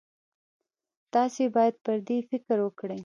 تاسې باید پر دې فکر وکړئ.